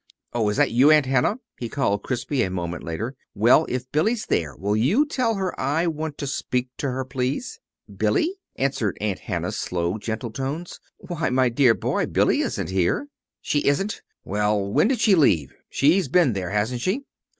"Oh, is that you, Aunt Hannah?" he called crisply, a moment later. "Well, if Billy's there will you tell her I want to speak to her, please?" "Billy?" answered Aunt Hannah's slow, gentle tones. "Why, my dear boy, Billy isn't here!" "She isn't? Well, when did she leave? She's been there, hasn't she?"